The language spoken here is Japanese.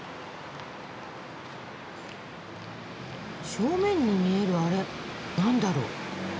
正面に見えるあれ何だろう？